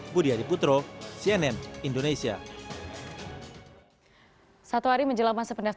budi adiputro cnn indonesia